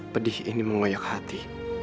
pedih ini menggoyak hati